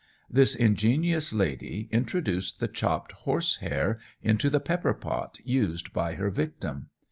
This ingenious lady introduced the chopped horse hair into the pepper pot used by her victim.